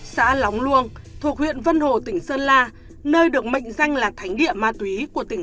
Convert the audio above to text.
xã lóng luông thuộc huyện vân hồ tỉnh sơn la nơi được mệnh danh là thánh địa ma túy của tỉnh